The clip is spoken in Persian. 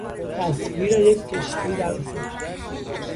تصویر یک کشتی در افق